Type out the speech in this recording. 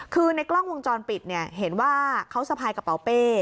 คือในกล้องวงจรปิดเนี่ยเห็นว่าเขาสะพายกระเป๋าเป้